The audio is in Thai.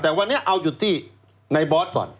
แต่วันนี้เอาหยุดที่ในบอสก่อน